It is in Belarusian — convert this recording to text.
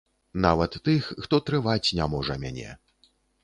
Нават тых, хто трываць не можа мяне.